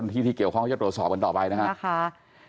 ที่เกี่ยวของก็จะตรวจสอบกันต่อไปนะคะ